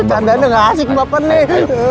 tanda tanda gak asik bapak nih